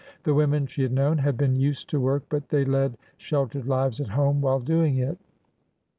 The women she had known had been used to w^ork, but they led shel tered lives at home while doing it.